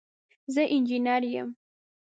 زه انجنیره یم.